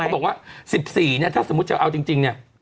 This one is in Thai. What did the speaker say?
เขาก็บอกว่า๑๔นี่ถ้าสมมุติจะเอาจริงนี่